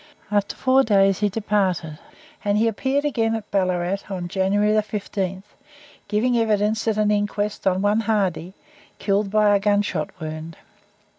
After four days he departed, and he appeared again at Ballarat on January 15th, giving evidence at an inquest on one Hardy, killed by a gunshot wound.